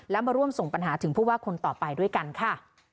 และมาร่วมส่งปัญหาถึงผู้ว่าคนต่อไปด้วยกันค่ะ